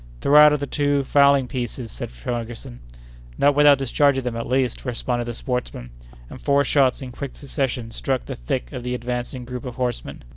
"Throw out the two fowling pieces!" shouted Ferguson. "Not without discharging them, at least," responded the sportsman; and four shots in quick succession struck the thick of the advancing group of horsemen.